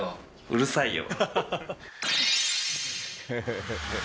うるさいよ。